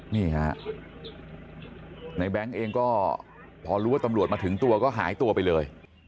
นี่ฮะในแบงค์เองก็พอรู้ว่าตำรวจมาถึงตัวก็หายตัวไปเลย